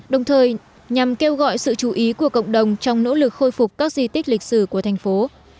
đồng thời nhằm kêu gọi sự chú ý của cộng đồng trong nỗ lực khôi phục các di tích lịch sử của thành phố